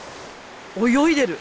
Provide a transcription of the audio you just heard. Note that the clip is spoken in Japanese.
泳いでる！